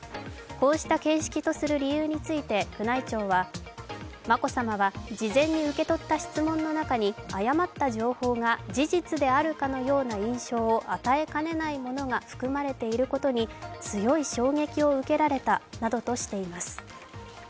こうした形式とする理由について宮内庁は眞子さまは事前に受け取った質問の中に誤った情報が事実であるかのような印象を与えかねないなものが含まれていることに強い衝撃を受けられたなどとしています。